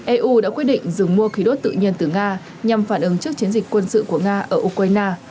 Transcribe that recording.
eu đã quyết định dừng mua khí đốt tự nhiên từ nga nhằm phản ứng trước chiến dịch quân sự của nga ở ukraine